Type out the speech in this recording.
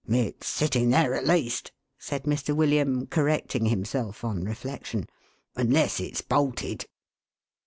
It's sitting there, at least," said Mr. William, correcting himself, on reflection, "unless it's bolted